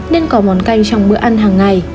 nên có món canh trong bữa ăn hàng ngày